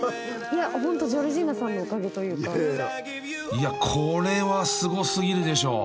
［いやこれはすごすぎるでしょ］